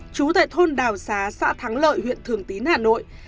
trú tại thôn đào xá xã thắng lợi huyện thường tín hà nội